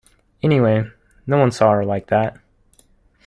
Anyway, no one saw her like that.